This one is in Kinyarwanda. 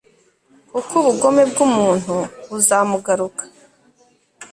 kuko ubugome bw'umuntu buzamugaruka